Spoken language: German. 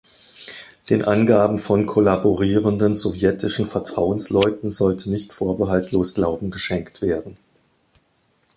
Den Angaben von kollaborierenden sowjetischen „Vertrauensleuten“ sollte nicht vorbehaltlos Glauben geschenkt werden.